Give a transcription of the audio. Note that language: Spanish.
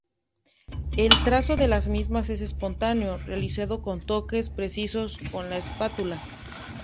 El trazo de las mismas es espontáneo, realizado con toques precisos con la espátula.